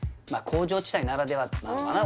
工場地帯ならではなのかな